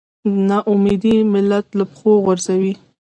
نا اميدي ملت له پښو غورځوي.